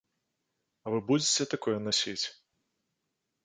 А вы будзеце такое насіць?